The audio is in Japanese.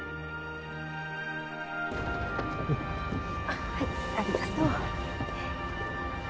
あっはいありがとう。